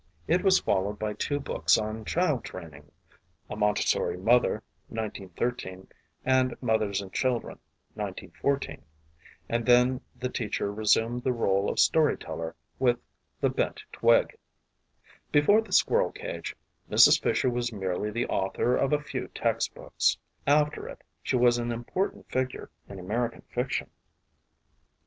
It was followed by two books on child training, A Montessori Mother (1913) and Mothers and Children (1914), and then the teach er resumed the role of storyteller with The Bent Tztrig. Before The Squirrel Cage Mrs. Fisher was merely the author of a few textbooks. After it she was an important figure in American fiction.